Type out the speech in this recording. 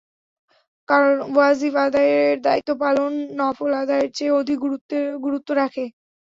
কারণ, ওয়াজিব আদায়ের দায়িত্ব পালন নফল আদায়ের চেয়ে অধিক গুরুত্ব রাখে।